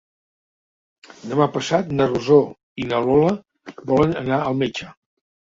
Demà passat na Rosó i na Lola volen anar al metge.